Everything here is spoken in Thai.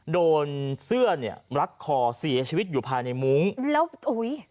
โดนเสื้อเนี่ยรัดคอเสียชีวิตอยู่ภายในมุ้งแล้วอุ้ย